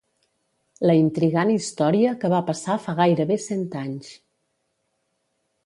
la intrigant història que va passar fa gairebé cent anys